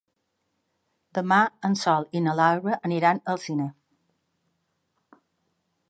Demà en Sol i na Lara aniran al cinema.